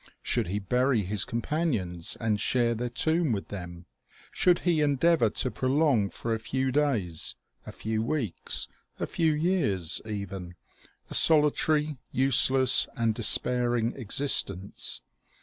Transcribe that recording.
Should he bury his companions, and share their tomb with them ? Should he endeavor to prolong for a few days, a few weeks, a few years even, a solitary, useless and despairing existence?